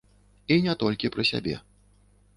І не толькі пра сябе.